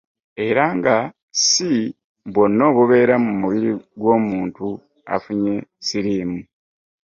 Era nga si bwonna obubeera mu mubiri gw'omuntu afunye Siriimu.